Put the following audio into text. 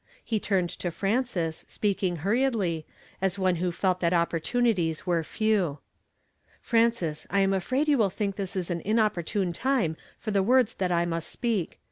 He turned to Frances, speaking hurriedly, as one whu felt that opportunities were few ." Frances, I am afraid you will think this an inopportune time for the words tliat I must speak.